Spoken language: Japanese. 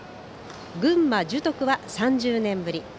群馬・樹徳は３０年ぶり。